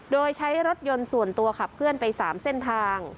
โดยใช้รถยนต์ส่วนตัวขับเคลื่อนไป๓เส้นทาง